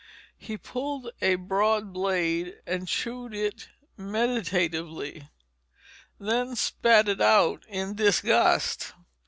He pulled a broad blade and chewed it meditatively. Then spat it out in disgust.